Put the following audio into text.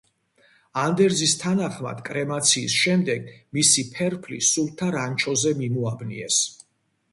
ანდერძის თანახმად კრემაციის შემდეგ მისი ფერფლი სულთა რანჩოზე მიმოაბნიეს.